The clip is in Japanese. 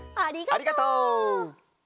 ありがとう！